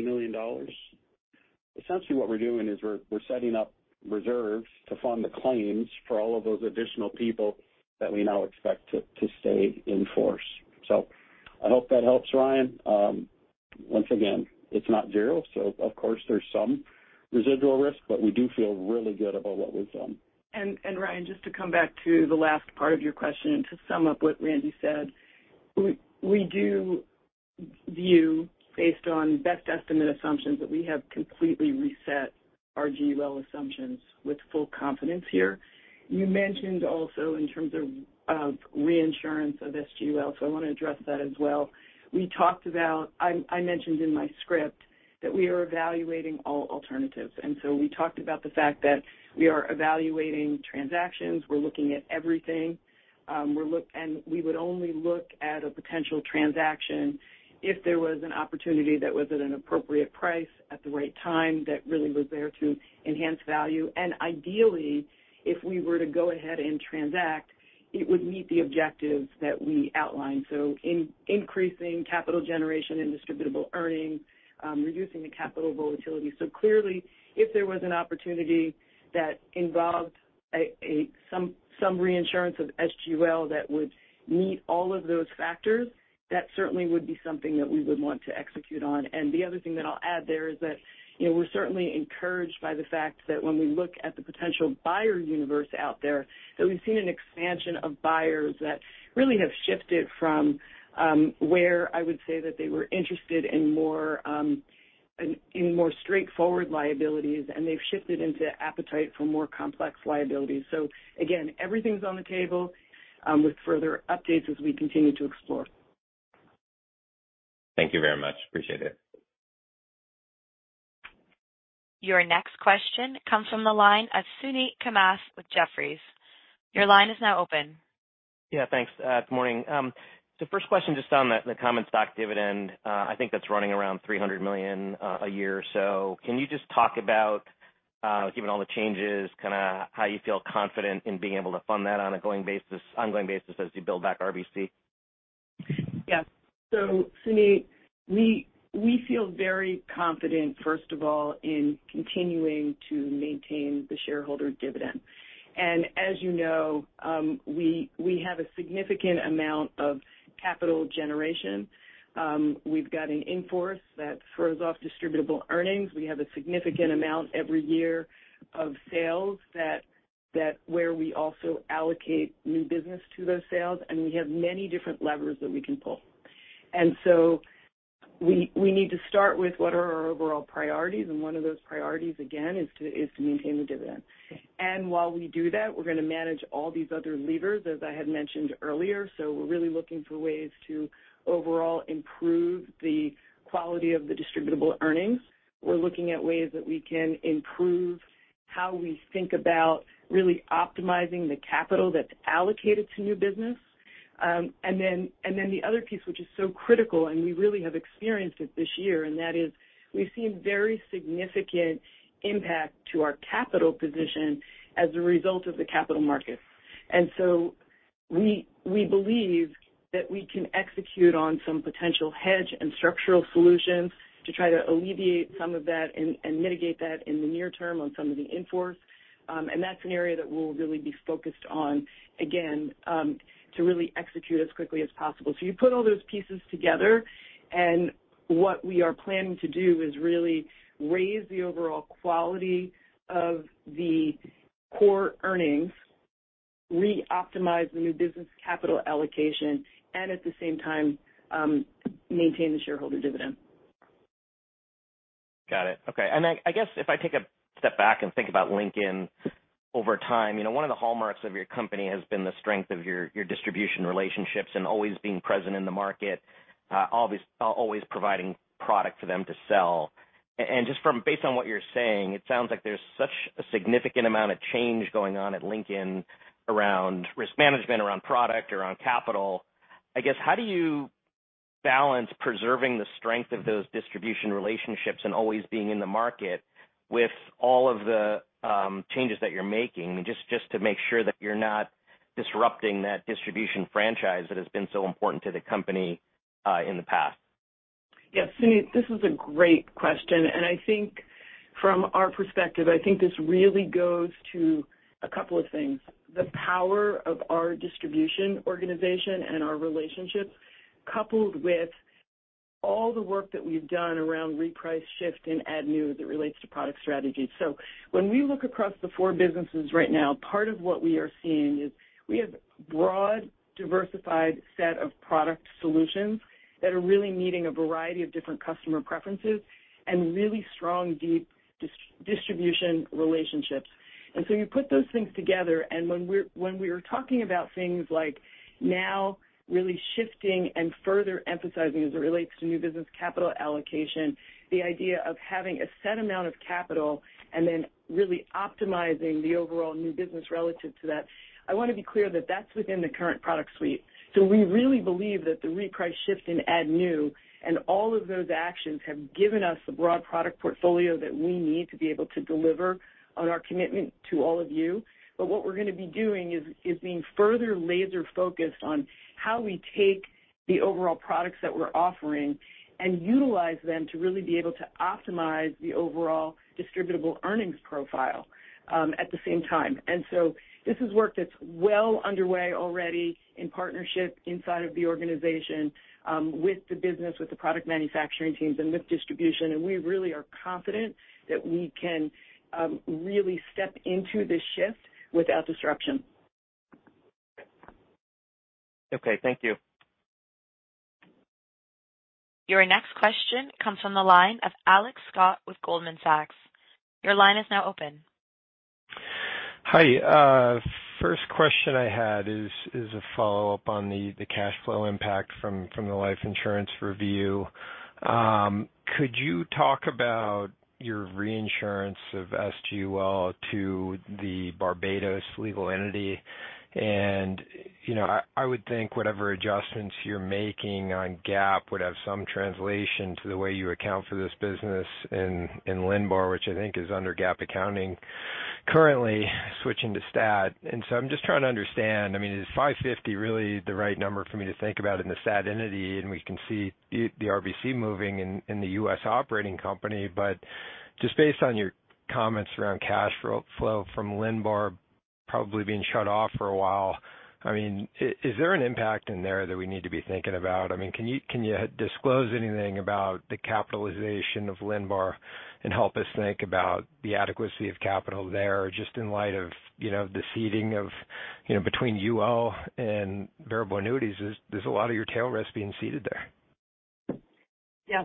million. Essentially what we're doing is we're setting up reserves to fund the claims for all of those additional people that we now expect to stay in force. I hope that helps, Ryan. Once again, it's not zero, so of course, there's some residual risk, but we do feel really good about what we've done. Ryan, just to come back to the last part of your question and to sum up what Randy said, we do view based on best estimate assumptions that we have completely reset our GUL assumptions with full confidence here. You mentioned also in terms of reinsurance of SGUL, so I want to address that as well. I mentioned in my script that we are evaluating all alternatives, and so we talked about the fact that we are evaluating transactions, we're looking at everything. We would only look at a potential transaction if there was an opportunity that was at an appropriate price at the right time that really was there to enhance value. Ideally, if we were to go ahead and transact, it would meet the objectives that we outlined. In increasing capital generation and distributable earnings, reducing the capital volatility. Clearly, if there was an opportunity that involved some reinsurance of SGUL that would meet all of those factors, that certainly would be something that we would want to execute on. The other thing that I'll add there is that, you know, we're certainly encouraged by the fact that when we look at the potential buyer universe out there, that we've seen an expansion of buyers that really have shifted from where I would say that they were interested in more straightforward liabilities, and they've shifted into appetite for more complex liabilities. Again, everything's on the table with further updates as we continue to explore. Thank you very much. Appreciate it. Your next question comes from the line of Suneet Kamath with Jefferies. Your line is now open. Yeah, thanks. Good morning. First question just on the common stock dividend, I think that's running around $300 million a year. Can you just talk about, given all the changes, kind of how you feel confident in being able to fund that on a going basis, ongoing basis as you build back RBC? Yeah. Suneet, we feel very confident, first of all, in continuing to maintain the shareholder dividend. As you know, we have a significant amount of capital generation. We've got an in-force that throws off distributable earnings. We have a significant amount every year of sales that where we also allocate new business to those sales, and we have many different levers that we can pull. We need to start with what are our overall priorities, and one of those priorities, again, is to maintain the dividend. While we do that, we're gonna manage all these other levers, as I had mentioned earlier. We're really looking for ways to overall improve the quality of the distributable earnings. We're looking at ways that we can improve how we think about really optimizing the capital that's allocated to new business. Then the other piece, which is so critical, and we really have experienced it this year, and that is we've seen very significant impact to our capital position as a result of the capital markets. We believe that we can execute on some potential hedge and structural solutions to try to alleviate some of that and mitigate that in the near term on some of the in-force. That's an area that we'll really be focused on, again, to really execute as quickly as possible. You put all those pieces together, and what we are planning to do is really raise the overall quality of the core earnings, reoptimize the new business capital allocation, and at the same time, maintain the shareholder dividend. Got it. Okay. I guess if I take a step back and think about Lincoln over time, you know, one of the hallmarks of your company has been the strength of your distribution relationships and always being present in the market, always providing product for them to sell. Just from, based on what you're saying, it sounds like there's such a significant amount of change going on at Lincoln around risk management, around product, around capital. I guess, how do you balance preserving the strength of those distribution relationships and always being in the market with all of the changes that you're making, just to make sure that you're not disrupting that distribution franchise that has been so important to the company in the past? Yeah. Suneet, this is a great question, and I think from our perspective, I think this really goes to a couple of things. The power of our distribution organization and our relationships, coupled with all the work that we've done around reprice shift and add new that relates to product strategy. When we look across the four businesses right now, part of what we are seeing is we have broad, diversified set of product solutions that are really meeting a variety of different customer preferences and really strong, deep distribution relationships. You put those things together, and when we are talking about things like now really shifting and further emphasizing as it relates to new business capital allocation, the idea of having a set amount of capital and then really optimizing the overall new business relative to that, I want to be clear that that's within the current product suite. We really believe that the reprice shift and add new and all of those actions have given us the broad product portfolio that we need to be able to deliver on our commitment to all of you. What we're gonna be doing is being further laser focused on how we take the overall products that we're offering and utilize them to really be able to optimize the overall distributable earnings profile, at the same time. This is work that's well underway already in partnership inside of the organization, with the business, with the product manufacturing teams, and with distribution, and we really are confident that we can, really step into this shift without disruption. Okay. Thank you. Your next question comes from the line of Alex Scott with Goldman Sachs. Your line is now open. Hi. First question I had is a follow-up on the cash flow impact from the life insurance review. Could you talk about your reinsurance of GUL to the Barbados legal entity? You know, I would think whatever adjustments you're making on GAAP would have some translation to the way you account for this business in LNBAR, which I think is under GAAP accounting, currently switching to stat. I'm just trying to understand, I mean, is $550 million really the right number for me to think about in the stat entity? We can see the RBC moving in the U.S. operating company, but just based on your comments around cash flow from LNBAR probably being shut off for a while. I mean, is there an impact in there that we need to be thinking about? I mean, can you disclose anything about the capitalization of LNBAR and help us think about the adequacy of capital there just in light of, you know, the ceding of, you know, between UL and variable annuities, there's a lot of your tail risk being ceded there. Yeah.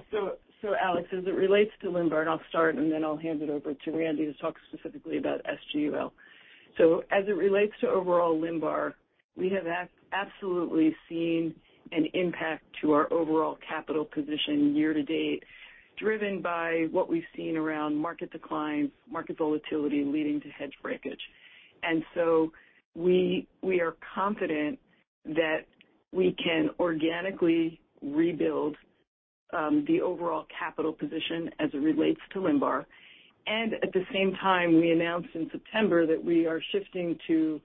Alex, as it relates to LNBAR, and I'll start and then I'll hand it over to Randy to talk specifically about GUL. As it relates to overall LNBAR, we have absolutely seen an impact to our overall capital position year to date, driven by what we've seen around market declines, market volatility leading to hedge breakage. We are confident that we can organically rebuild the overall capital position as it relates to LNBAR. At the same time, we announced in September that we are shifting to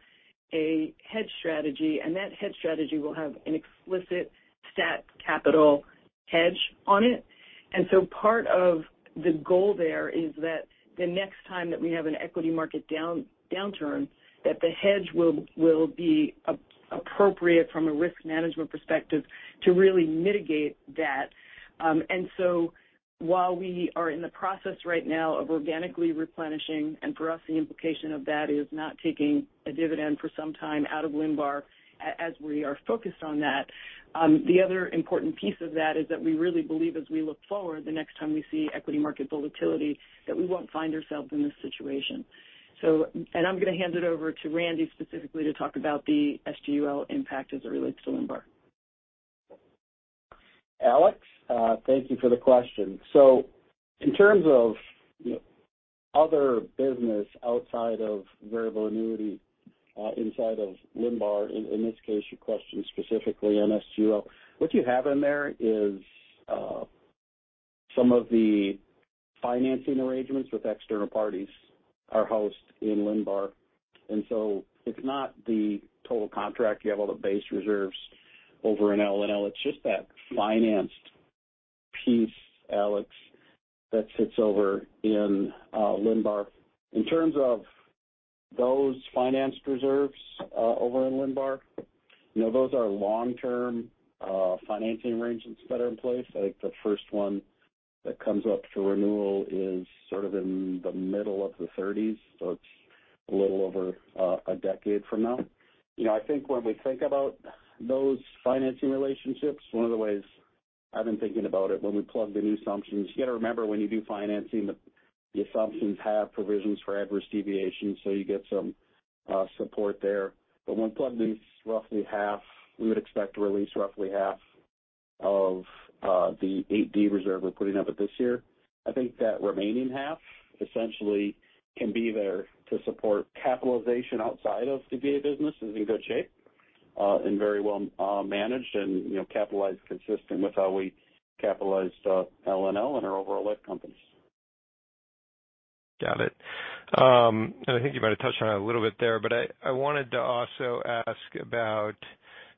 a hedge strategy, and that hedge strategy will have an explicit stat capital hedge on it. Part of the goal there is that the next time that we have an equity market downturn, that the hedge will be appropriate from a risk management perspective to really mitigate that. While we are in the process right now of organically replenishing, and for us, the implication of that is not taking a dividend for some time out of LNBAR as we are focused on that. The other important piece of that is that we really believe as we look forward, the next time we see equity market volatility, that we won't find ourselves in this situation. I'm gonna hand it over to Randy specifically to talk about the GUL impact as it relates to LNBAR. Alex, thank you for the question. In terms of, you know, other business outside of variable annuity, inside of LNBAR, in this case, your question specifically on SGUL, what you have in there is, some of the financing arrangements with external parties are housed in LNBAR. It's not the total contract. You have all the base reserves over in LNL. It's just that financed piece, Alex, that sits over in, LNBAR. In terms of those financed reserves, over in LNBAR, you know, those are long-term, financing arrangements that are in place. I think the first one that comes up to renewal is sort of in the middle of the thirties, so it's a little over, a decade from now. You know, I think when we think about those financing relationships, one of the ways I've been thinking about it when we plug the new assumptions, you got to remember when you do financing, the assumptions have provisions for adverse deviation, so you get some support there. But we plug these, roughly half, we would expect to release roughly half of the 8D reserve we're putting up at this year. I think that remaining half essentially can be there to support capitalization outside of the VA businesses in good shape and very well managed and, you know, capitalized consistent with how we capitalized LNL and our overall life companies. Got it. I think you might have touched on it a little bit there, but I wanted to also ask about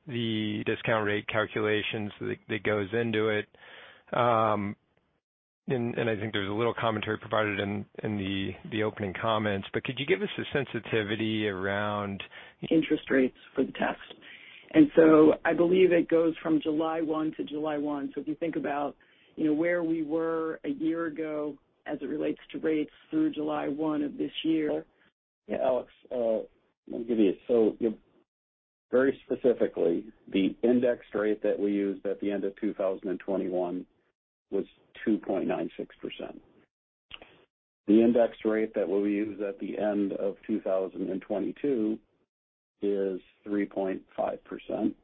the discount rate calculations that goes into it. I think there's a little commentary provided in the opening comments, but could you give us a sensitivity around? Interest rates for the test. I believe it goes from July 1 to July 1. If you think about, you know, where we were a year ago as it relates to rates through July 1 of this year. Yeah, Alex, let me give you. Very specifically, the index rate that we used at the end of 2021 was 2.96%. The index rate that we'll use at the end of 2022 is 3.5%.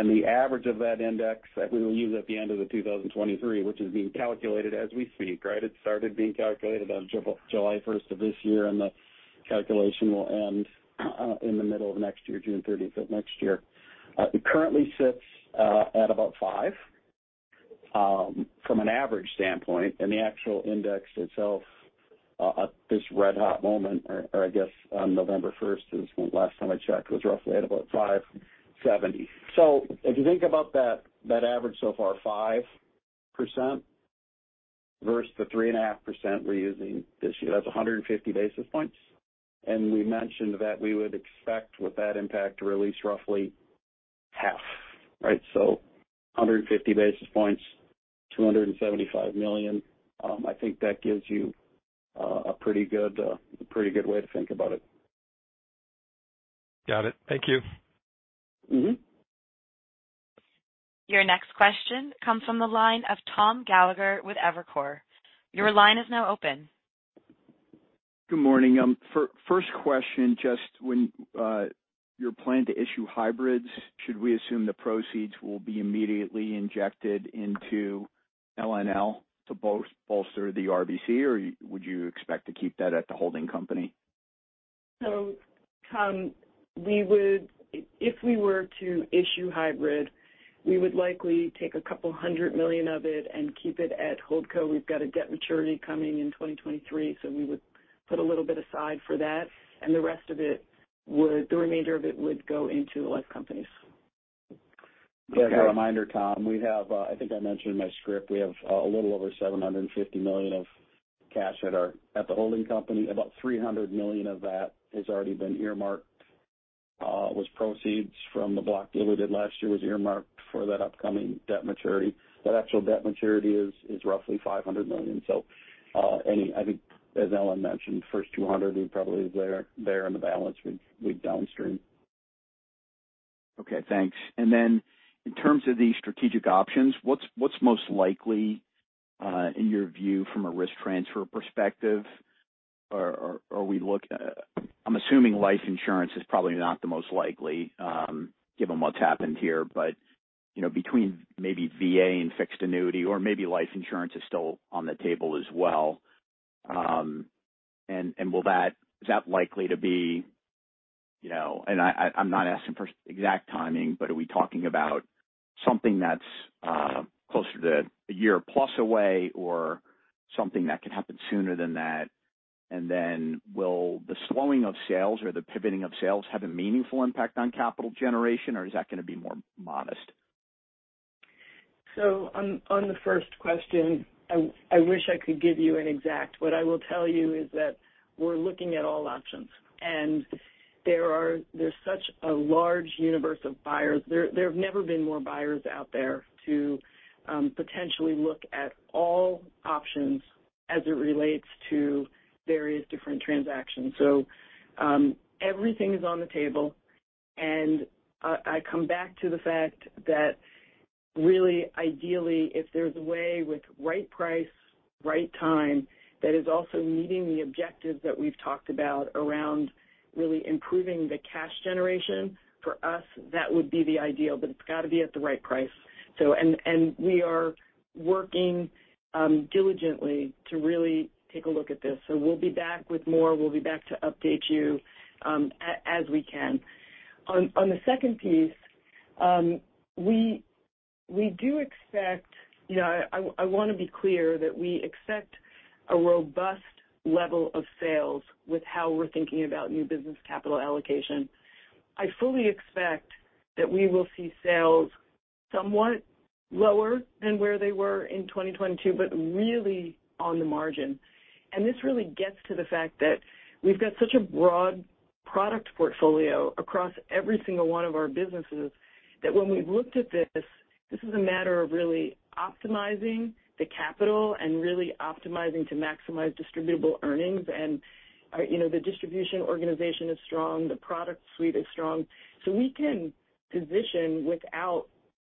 The average of that index that we will use at the end of 2023, which is being calculated as we speak, right? It started being calculated on July 1st of this year, and the calculation will end in the middle of next year, June 30th of next year. It currently sits at about 5, from an average standpoint, and the actual index itself, at this red-hot moment, or I guess on November 1st is the last time I checked, was roughly at about 570. If you think about that average so far, 5% versus the 3.5% we're using this year, that's 150 basis points. We mentioned that we would expect with that impact to release roughly right. 150 basis points, $275 million. I think that gives you a pretty good way to think about it. Got it. Thank you. Mm-hmm. Your next question comes from the line of Tom Gallagher with Evercore. Your line is now open. Good morning. First question, just on your plan to issue hybrids, should we assume the proceeds will be immediately injected into LNL to bolster the RBC, or would you expect to keep that at the holding company? Tom, we would, if we were to issue hybrid, we would likely take $200 million of it and keep it at Holdco. We've got a debt maturity coming in 2023, so we would put a little bit aside for that, and the rest of it would, the remainder of it would go into life companies. Just a reminder, Tom. I think I mentioned in my script. We have a little over $750 million of cash at the holding company. About $300 million of that has already been earmarked with proceeds from the block deal we did last year for that upcoming debt maturity. That actual debt maturity is roughly $500 million. I think as Ellen mentioned, first $200 would probably there in the balance we'd downstream. Okay, thanks. Then in terms of the strategic options, what's most likely in your view from a risk transfer perspective? I'm assuming life insurance is probably not the most likely given what's happened here. You know, between maybe VA and fixed annuity or maybe life insurance is still on the table as well. Will that is that likely to be, you know, and I'm not asking for exact timing, but are we talking about something that's closer to a year plus away or something that can happen sooner than that? Then will the slowing of sales or the pivoting of sales have a meaningful impact on capital generation, or is that going to be more modest? On the first question, I wish I could give you an exact. What I will tell you is that we're looking at all options, and there's such a large universe of buyers. There have never been more buyers out there to potentially look at all options as it relates to various different transactions. Everything is on the table. I come back to the fact that really, ideally, if there's a way with right price, right time, that is also meeting the objectives that we've talked about around really improving the cash generation, for us, that would be the ideal, but it's got to be at the right price. And we are working diligently to really take a look at this. We'll be back with more. We'll be back to update you as we can. On the second piece, we do expect, you know, I want to be clear that we expect a robust level of sales with how we're thinking about new business capital allocation. I fully expect that we will see sales somewhat lower than where they were in 2022, but really on the margin. This really gets to the fact that we've got such a broad product portfolio across every single one of our businesses, that when we've looked at this is a matter of really optimizing the capital and really optimizing to maximize distributable earnings. You know, the distribution organization is strong, the product suite is strong. We can position without,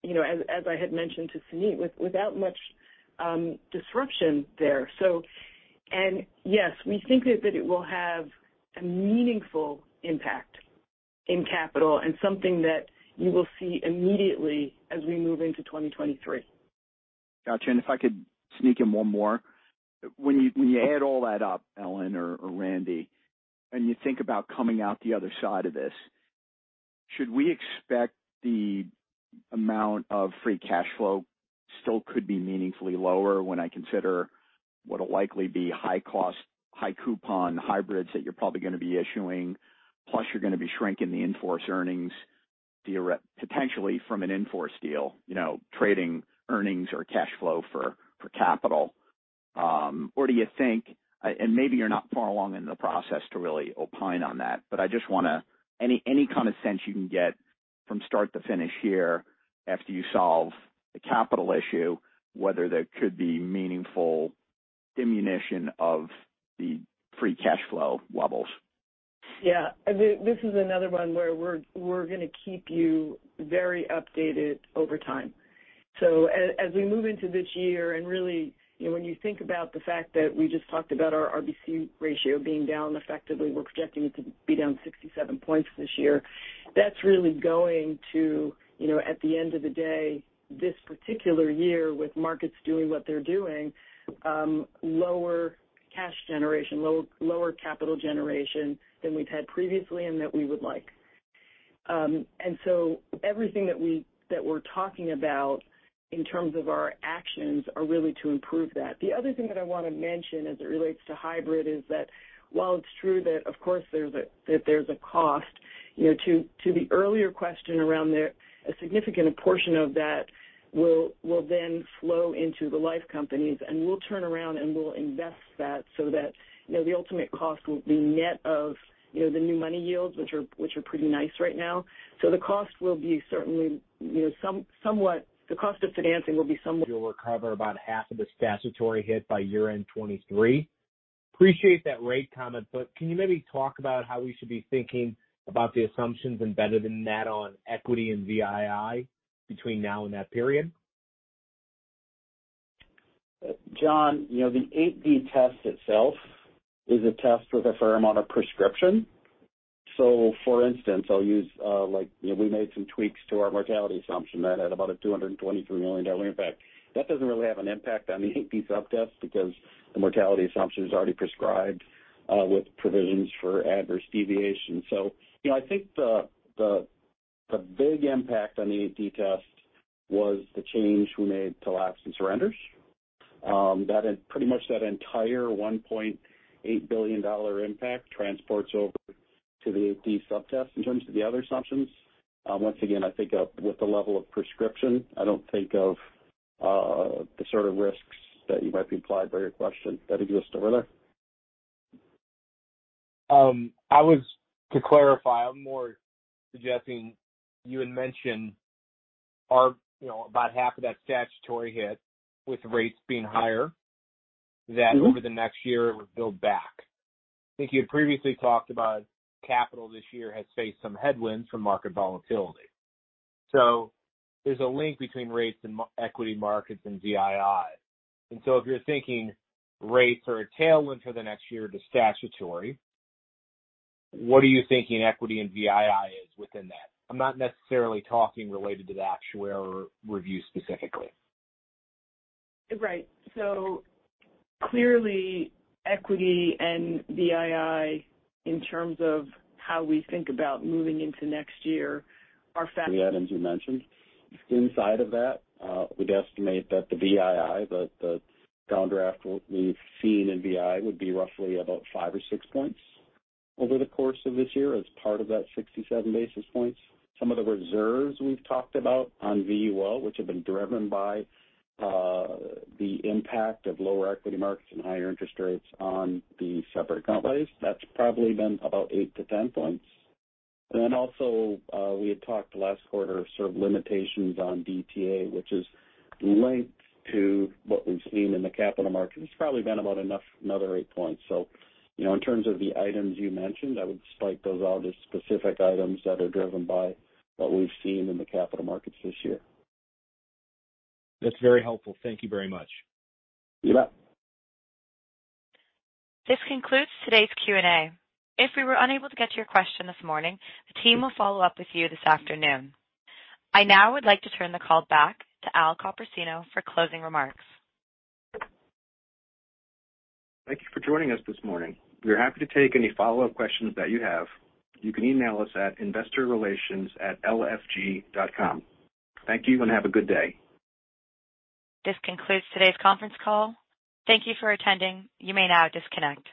you know, as I had mentioned to Suneet, without much disruption there. Yes, we think that it will have a meaningful impact in capital and something that you will see immediately as we move into 2023. Got you. If I could sneak in one more. When you add all that up, Ellen or Randy, and you think about coming out the other side of this, should we expect the amount of free cash flow still could be meaningfully lower when I consider what will likely be high cost, high coupon hybrids that you're probably going to be issuing, plus you're going to be shrinking the in-force earnings theoretically, potentially from an in-force deal, you know, trading earnings or cash flow for capital? Or do you think, and maybe you're not far along in the process to really opine on that, but I just want any kind of sense you can get from start to finish here after you solve the capital issue, whether there could be meaningful diminution of the free cash flow levels. Yeah. This is another one where we're going to keep you very updated over time. As we move into this year and really, you know, when you think about the fact that we just talked about our RBC ratio being down, effectively, we're projecting it to be down 67 points this year. That's really going to, you know, at the end of the day, this particular year with markets doing what they're doing, lower cash generation, lower capital generation than we've had previously and that we would like. Everything that we're talking about in terms of our actions are really to improve that. The other thing that I want to mention as it relates to hybrid is that while it's true that of course, that there's a cost, you know, to the earlier question around there, a significant portion of that will then flow into the life companies, and we'll turn around and we'll invest that so that, you know, the ultimate cost will be net of, you know, the new money yields, which are pretty nice right now. So the cost will be certainly, you know, somewhat, the cost of financing will be somewhat. We'll recover about half of the statutory hit by year-end 2023. Appreciate that rate comment, but can you maybe talk about how we should be thinking about the assumptions embedded in that on equity and VII between now and that period? John, you know, the 8D test itself is a test with a fair amount of prescription. For instance, I'll use, like, you know, we made some tweaks to our mortality assumption that had about a $223 million impact. That doesn't really have an impact on the 8D sub-test because the mortality assumption is already prescribed with provisions for adverse deviation. You know, I think the big impact on the 8D test was the change we made to lapse and surrenders. That had pretty much that entire $1.8 billion impact transports over to the 8D sub-test in terms of the other assumptions. Once again, I think with the level of prescription, I don't think of the sort of risks that you might be implied by your question that exist over there. I want to clarify. I'm more suggesting you had mentioned earlier, you know, about half of that statutory hit with rates being higher, then over the next year it would build back. I think you had previously talked about capital this year has faced some headwinds from market volatility. There's a link between rates and equity markets and VII. If you're thinking rates are a tailwind for the next year to statutory, what are you thinking equity and VII is within that? I'm not necessarily talking related to the actuarial review specifically. Right. Clearly, equity and VII, in terms of how we think about moving into next year, are. The items you mentioned. Inside of that, we'd estimate that the VII, the downdraft we've seen in VII would be roughly about 5 or 6 points over the course of this year as part of that 67 basis points. Some of the reserves we've talked about on VUL, which have been driven by the impact of lower equity markets and higher interest rates on the separate account lapse, that's probably been about 8-10 points. We had talked last quarter sort of limitations on DTA, which is linked to what we've seen in the capital markets. It's probably been about enough, another 8 points. You know, in terms of the items you mentioned, I would cite those all as specific items that are driven by what we've seen in the capital markets this year. That's very helpful. Thank you very much. You bet. This concludes today's Q&A. If we were unable to get to your question this morning, the team will follow up with you this afternoon. I now would like to turn the call back to Al Copersino for closing remarks. Thank you for joining us this morning. We're happy to take any follow-up questions that you have. You can email us at investorrelations@lfg.com. Thank you and have a good day. This concludes today's conference call. Thank you for attending. You may now disconnect.